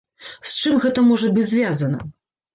З чым гэта можа быць звязана?